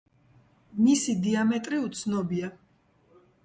მისი დიამეტრი უცნობია.